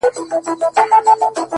چي يوه لپه ښكلا يې راته راكړه،